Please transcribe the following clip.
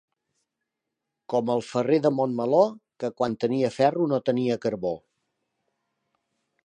Com el ferrer de Montmeló, que quan tenia ferro no tenia carbó.